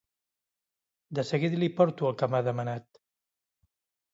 De seguida li porto el que m'ha demanat.